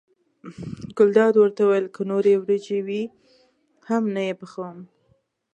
ګلداد ورته وویل که نورې وریجې وي هم نه یې پخوم.